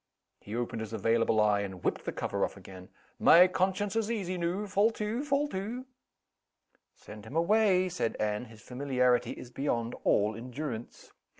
He opened his available eye, and whipped the cover off again. "My conscience is easy noo. Fall to! Fall to!" "Send him away!" said Anne. "His familiarity is beyond all endurance."